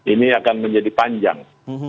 ini akan menjadi panjang